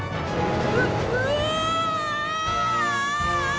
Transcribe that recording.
うっうわ！